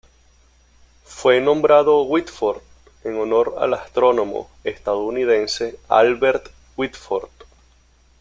Fue nombrado Whitford en honor al astrónomo estadounidense Albert Whitford.